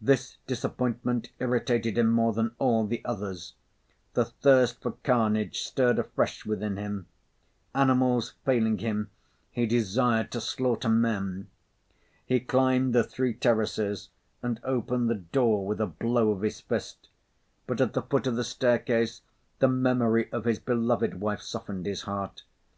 This disappointment irritated him more than all the others. The thirst for carnage stirred afresh within him; animals failing him, he desired to slaughter men. He climbed the three terraces and opened the door with a blow of his fist; but at the foot of the staircase, the memory of his beloved wife softened his heart.